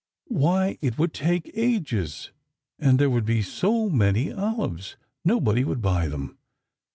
Why, it would take ages, and there would be so many olives, nobody would buy them.